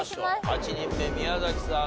８人目宮崎さん